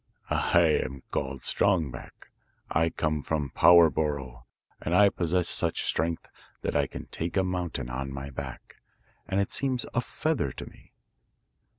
'I am called Strong Back; I come from Power borough, and I possess such strength that I can take a mountain on my back, and it seems a feather to me.